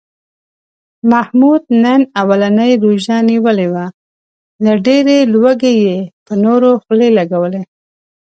محمود نن اولنۍ روژه نیولې وه، له ډېرې لوږې یې په نورو خولې لږولې.